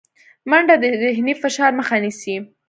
منډه د ذهني فشار مخه نیسي